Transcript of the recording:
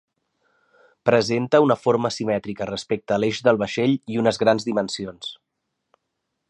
Presenta una forma simètrica respecte a l'eix del vaixell i unes grans dimensions.